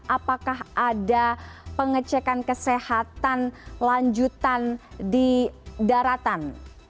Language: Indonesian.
apakah ada pengecekan kesehatan lanjutan di daratan